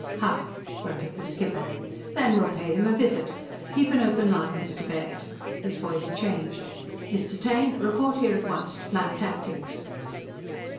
"Hah!" grunted the skipper. "Then we'll pay him a visit. Keep an open line, Mr. Baird!" His voice changed. "_Mr. Taine! Report here at once to plan tactics!